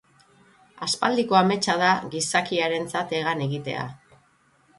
Aspaldiko ametsa da gizakiarentzat hegan egitea.